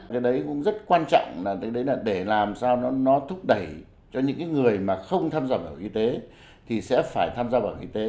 cái đấy cũng rất quan trọng là cái đấy là để làm sao nó thúc đẩy cho những người mà không tham gia vào y tế thì sẽ phải tham gia vào y tế